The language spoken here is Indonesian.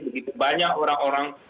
begitu banyak orang orang